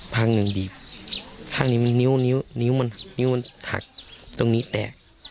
ภาคหนึ่งบีบภาคหนึ่งมีนิ้วนิ้วนิ้วมันนิ้วมันหักตรงนี้แตก